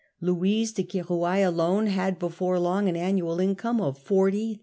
Louise de Kdroualle alone had before long an annual income of 40,000